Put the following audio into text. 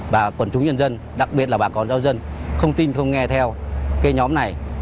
và quần chúng nhân dân đặc biệt là bà con giáo dân không tin không nghe theo cái nhóm này